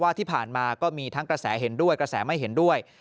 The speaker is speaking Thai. ที่ผ่านมาก็มีทั้งกระแสเห็นด้วยกระแสไม่เห็นด้วย